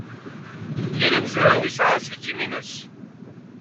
Yal amezraw yesɛa aselkim-nnes.